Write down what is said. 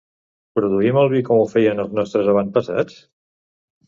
Produïm el vi com ho feien els nostres avantpassats?